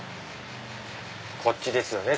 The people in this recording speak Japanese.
こっちですね